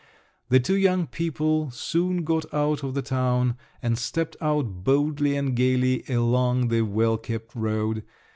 The two young people soon got out of the town, and stepped out boldly and gaily along the well kept road.